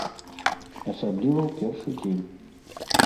Асабліва ў першы дзень.